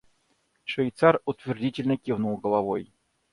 Швейцар утвердительно кивнул головой.